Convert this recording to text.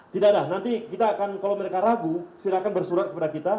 tidak ada nanti kalau mereka ragu silakan bersurat kepada kita